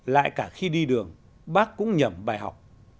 lại cả khi đi đường bác cũng nhầm bài học